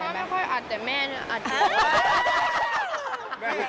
ผมก็ไม่ค่อยอาจแต่แม่